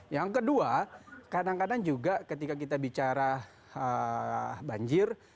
yang kedua kadang kadang juga ketika kita bicara banjir